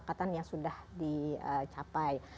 ada kesepakatan yang sudah dicapai